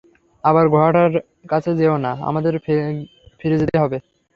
আবার ঘোড়াটার কাছে যেয়ো না, আমাদের ফিরে যেতে হবে!